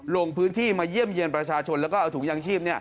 ลงพื้นที่มาเยี่ยมเยี่ยมประชาชนแล้วก็เอาถุงยางชีพ